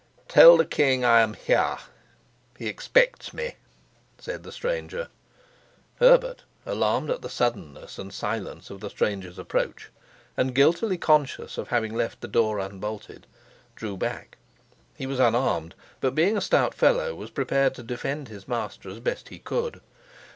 "Tell the king I am here. He expects me," said the stranger. Herbert, alarmed at the suddenness and silence of the stranger's approach, and guiltily conscious of having left the door unbolted, drew back. He was unarmed, but, being a stout fellow, was prepared to defend his master as best he could.